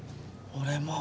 俺も。